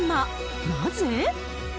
なぜ？